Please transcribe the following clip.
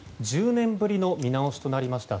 １０年ぶりの見直しとなりました